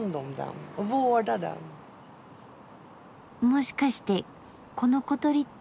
もしかしてこの小鳥って。